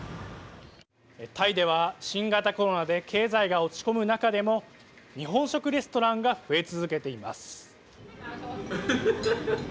タイでは新型コロナで経済が落ち込む中でも日本食レストランが増え続けています。